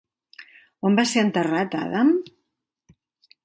On va ser enterrat Adam?